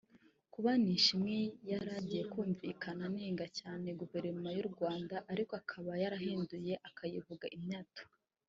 Kuba Nishimwe yaragiye yumvikana anenga cyane guverinoma y’u Rwanda ariko akaba yarahindutse akayivuga imyato